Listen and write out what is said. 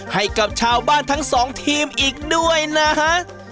ให้กับชาวบ้านทั้งสองทีมอีกด้วยนะฮะ